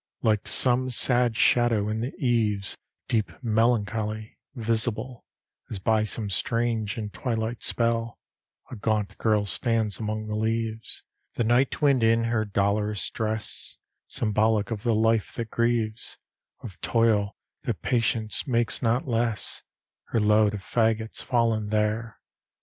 Like some sad shadow, in the eve's Deep melancholy visible As by some strange and twilight spell A gaunt girl stands among the leaves, The night wind in her dolorous dress: Symbolic of the life that grieves, Of toil that patience makes not less, Her load of faggots fallen there.